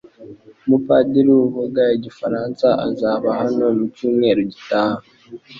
Umupadiri uvuga igifaransa azaba hano mu cyumweru gitaha